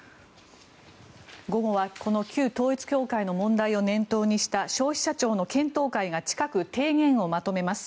午後はこの旧統一教会の問題を念頭にした消費者庁の検討会が近く提言をまとめます。